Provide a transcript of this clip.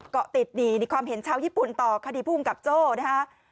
เกาะติดนี่ความเห็นชาวญี่ปุ่นต่อคดีภูมิกับโจ้นะฮะ